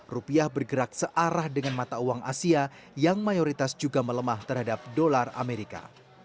rupiah bergerak searah dengan mata uang asia yang mayoritas juga melemah terhadap dolar amerika